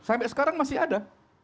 sampai sekarang masih ada